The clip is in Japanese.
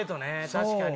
確かに。